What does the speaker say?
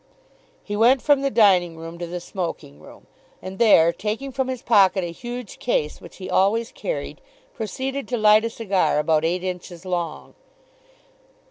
He went from the dining room to the smoking room, and there, taking from his pocket a huge case which he always carried, proceeded to light a cigar about eight inches long.